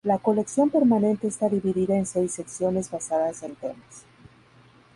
La colección permanente está dividida en seis secciones basadas en temas.